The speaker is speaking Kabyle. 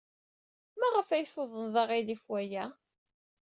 Maɣef ay tuḍned aɣilif i waya?